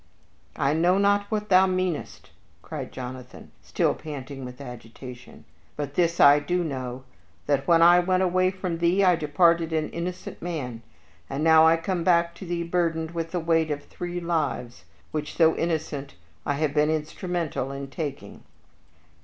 "I know not what thou meanest!" cried Jonathan, still panting with agitation. "But this I do know: that when I went away from thee I departed an innocent man, and now I come back to thee burdened with the weight of three lives, which, though innocent, I have been instrumental in taking."